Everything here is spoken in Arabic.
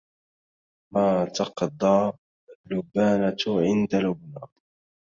ما تقضى لبانة عند لبنى